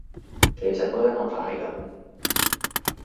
其實我嘅諗法係噉